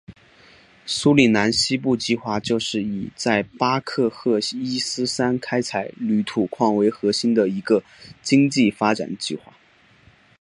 苏里南西部计划就是以在巴克赫伊斯山开采铝土矿为核心的一个经济发展计划。